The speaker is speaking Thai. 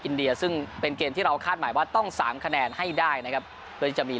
อินเดียซึ่งเป็นเกมที่เราคาดหมายว่าต้องสามคะแนนให้ได้นะครับเพื่อที่จะมี